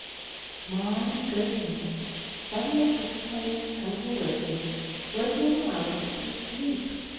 "My goodness!" suddenly exclaimed Uncle Wiggily, awakening out of his sleep.